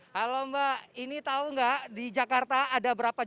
halo mbak ini tahu nggak di jakarta ada berapa